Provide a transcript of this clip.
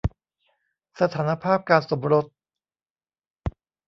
สถานภาพการสมรส